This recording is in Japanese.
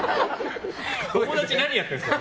友達は何やってるんですか？